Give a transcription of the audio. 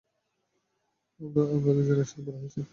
আমরা দুজনে একসাথে বড় হয়েছি।